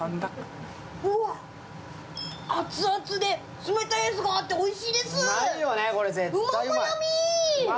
うわ、熱々で、冷たいアイスがあっておいしいです。